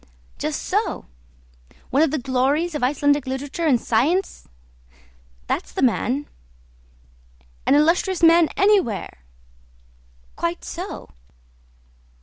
"Just so!" "One of the glories of Icelandic literature and science?" "That's the man." "An illustrious man anywhere!" "Quite so."